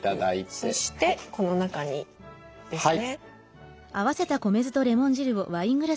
そしてこの中にですね。